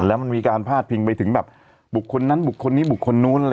แล้วมันมีการพาดพิงไปถึงแบบบุคคลนั้นบุคคลนี้บุคคลนู้น